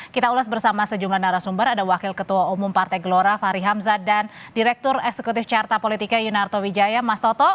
kita ulas bersama sejumlah narasumber ada wakil ketua umum partai gelora fahri hamzah dan direktur eksekutif carta politika yunarto wijaya mas toto